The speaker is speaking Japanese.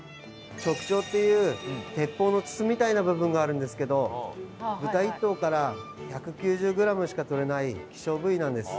直腸っていう鉄砲の筒みたいな部分があるんですけど豚１頭から１９０グラムしか取れない希少部位なんです。